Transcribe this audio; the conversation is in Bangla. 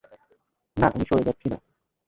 না আমি সরে যাচ্ছি না।